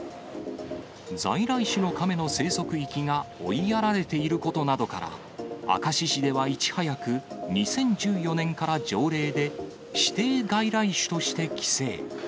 在来種のカメの生息域が追いやられていることなどから、明石市ではいち早く、２０１４年から条例で指定外来種として規制。